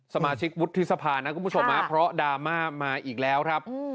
สมาชิกวุฒิสภานะคุณผู้ชมเพราะดราม่ามาอีกแล้วครับ